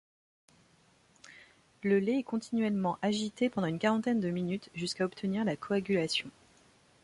Le lait est continuellement agité pendant une quarantaine de minutes jusqu'à obtenir la coagulation.